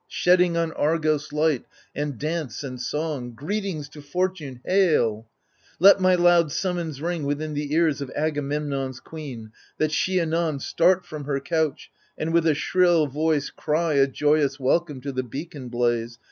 Shedding on Argos light, and dance, and song, Greetings to fortune, hail ! Let my loud summons ring within the ears Of Agamemnon's queen, that she anon Start from her couch and with a shrill voice cry A joyous welcome to the beacon blaze.